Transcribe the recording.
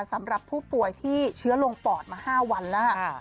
สำหรับผู้ป่วยที่เชื้อลงปอดมา๕วันแล้วค่ะ